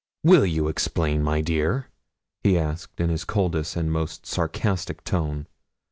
'Will you explain, my dear?' he asked, in his coldest and most sarcastic tone.